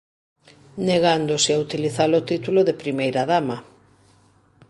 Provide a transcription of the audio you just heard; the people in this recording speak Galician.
Negándose a utilizar o título de primeira dama.